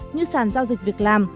như sàn giao dịch việc làm